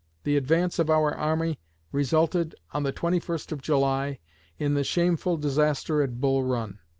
The advance of our army resulted, on the 21st of July, in the shameful disaster at Bull Run.